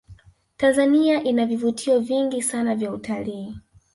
tanzania ina vivutio vingi sana vya utalii